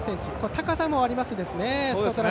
高さもありますね。